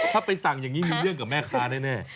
ถ้าไปสั่งอย่างนี้มีเรื่องกับแม่ค้าแน่